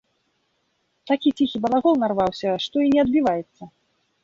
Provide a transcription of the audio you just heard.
Такі ціхі балагол нарваўся, што і не адбіваецца.